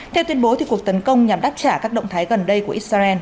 theo tuyên bố cuộc tấn công nhằm đáp trả các động thái gần đây của israel